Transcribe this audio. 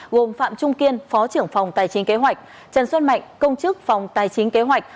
gồm phạm trung kiên phó trưởng phòng tài chính kế hoạch trần xuân mạnh công chức phòng tài chính kế hoạch